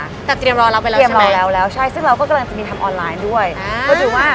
แต่เตรียมรอเราไปแล้วใช่ไหมใช่ซึ่งเราก็กำลังจะมีทำออนไลน์ด้วยเพราะถือว่า